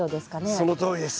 そのとおりです。